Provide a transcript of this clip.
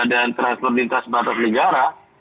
dan transfer di kas batas negara